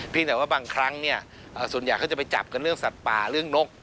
แต่ว่าบางครั้งเนี่ยส่วนใหญ่เขาจะไปจับกันเรื่องสัตว์ป่าเรื่องนก